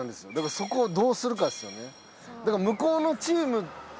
そこをどうするかですよね。